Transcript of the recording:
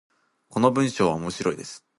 この文章は面白いです。